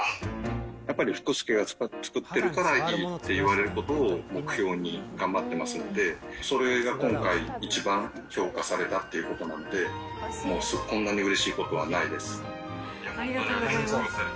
やっぱり福助が作ってるからいいって言われることを目標に頑張ってますので、それが今回一番評価されたっていうことなので、もう、こんなにうありがとうございます。